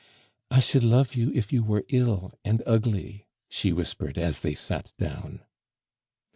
"I should love you if you were ill and ugly," she whispered as they sat down.